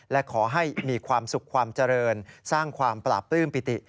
และขอให้มีความสุขความเจริญสร้างความปราบปลื้มปิติ